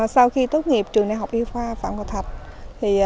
sau khi tốt nghiệp trường đại học y khoa phạm hòa thạch